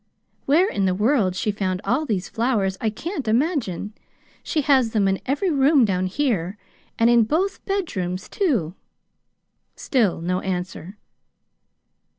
"Where in the world she found all these flowers I can't imagine. She has them in every room down here, and in both bedrooms, too." Still no answer.